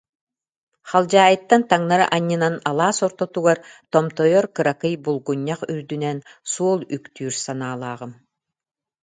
Халдьаайыттан таҥнары анньынан алаас ортотугар томтойор кыракый булгунньах үрдүнэн суол үктүүр санаалааҕым